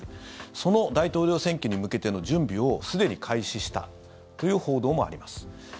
その大統領選挙に向けての準備をすでに開始したという報道もあります。